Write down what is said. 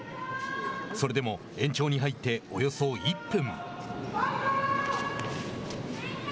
それでも、延長に入っておよそ１分。